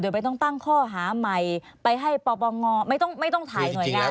โดยไปต้องตั้งข้อฐ้าใหม่ไปให้ประงอไม่ต้องไม่ต้องถ่ายหน่วยงาน